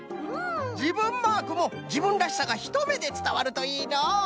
じぶんマークもじぶんらしさがひとめでつたわるといいのう。